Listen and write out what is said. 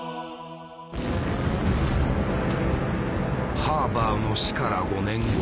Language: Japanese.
ハーバーの死から５年後